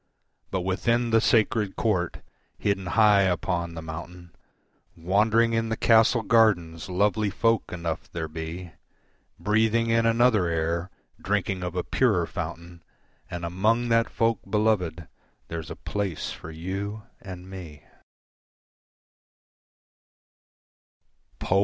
But within the sacred court, hidden high upon the mountain, Wandering in the castle gardens lovely folk enough there be, Breathing in another air, drinking of a purer fountain And among that folk, beloved, there's a place for you and me.